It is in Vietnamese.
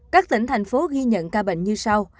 các tỉnh thành phố ghi nhận ca bệnh như sau